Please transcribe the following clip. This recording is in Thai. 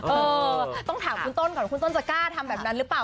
เออต้องถามคุณต้นก่อนคุณต้นจะกล้าทำแบบนั้นหรือเปล่า